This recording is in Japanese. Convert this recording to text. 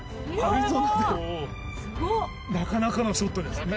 なかなかのショットですね２３０？